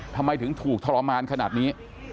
ทำไมถึงถูกทรมานขนาดนี้